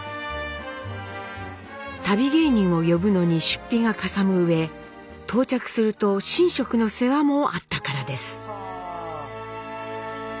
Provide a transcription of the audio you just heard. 旅芸人を呼ぶのに出費がかさむうえ到着すると寝食の世話もあったからです。